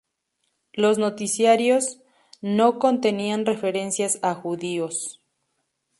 Los noticiarios no contenían referencias a judíos.